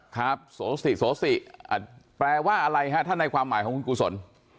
ครับโสสิโสสิแปลว่าอะไรฮะท่านในความหมายของคุณกุศล